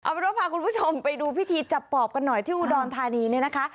เอาเป็นว่าพาคุณผู้ชมไปดูพิธีจับปอบกันหน่อยที่อุดรธานีเนี่ยนะคะ